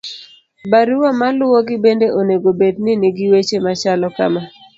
barua maluwogi bende onego bed ni nigi weche machalo kama